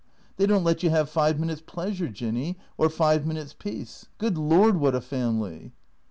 They don't let you have five minutes' pleasure, Jinny, or five minutes' peace. Good Lord, what a family